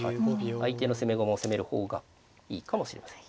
相手の攻め駒を責める方がいいかもしれません。